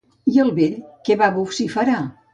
I el vell què va vociferar?